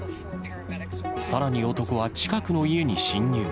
さらに男は近くの家に侵入。